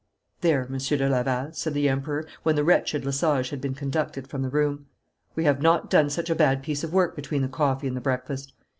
'There, Monsieur de Laval,' said the Emperor, when the wretched Lesage had been conducted from the room. 'We have not done such a bad piece of work between the coffee and the breakfast.